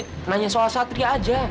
tanya soal satria aja